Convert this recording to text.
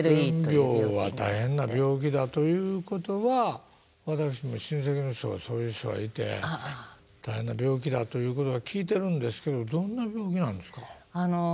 膠原病は大変な病気だということは私も親戚の人がそういう人がいて大変な病気だということは聞いてるんですけどどんな病気なんですか？